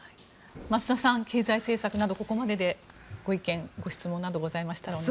増田さん、経済対策などでここまでに何かご意見、ご質問などございましたら。